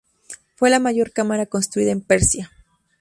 Fue la mayor cámara construida en Persia.